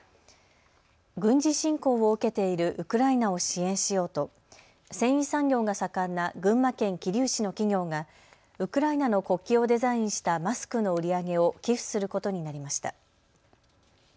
軍事侵攻を受けているウクライナを支援しようと繊維産業が盛んな群馬県桐生市の企業がウクライナの国旗をデザインしたマスクの売り上げを寄付することになりました。